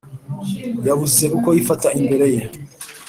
yabuze uko yifata imbere ye.